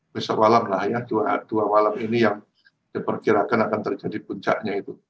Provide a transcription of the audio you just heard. besok malam lah ya dua malam ini yang diperkirakan akan terjadi puncaknya itu